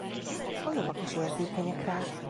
A lovak is érzékenyek rá.